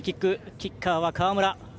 キッカーは川村。